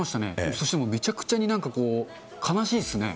そしてもうめちゃくちゃになんか、悲しいですね。